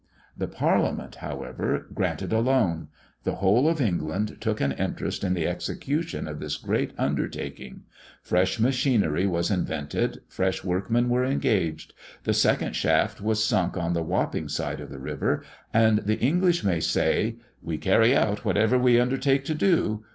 The Parliament, however, granted a loan; the whole of England took an interest in the execution of this great undertaking; fresh machinery was invented; fresh workmen were engaged; the second shaft was sunk on the Wapping side of the river; and the English may say "We carry out whatever we undertake to do.